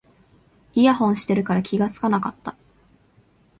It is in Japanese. イヤホンしてるから気がつかなかった